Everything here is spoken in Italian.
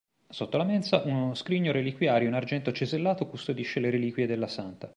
Sotto la mensa, uno scrigno-reliquiario in argento cesellato custodisce le reliquie della santa.